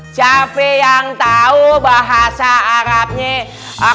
capek yang tahu bahasa arabnya